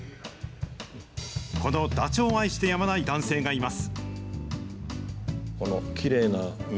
このダチョウを愛してやまない男性がいます。